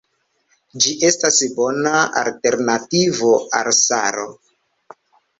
Ĝi estas bona alternativo al salo.